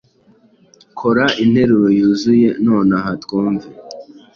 Kora interuro yuzuye nonaha twumve.